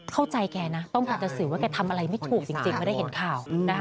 เข้าใจแกนะต้องความรู้สึกว่าแกทำอะไรไม่ถูกจริงไม่ได้เห็นข่าว